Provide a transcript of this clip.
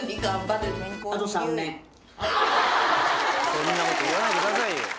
そんなこと言わないでくださいよ。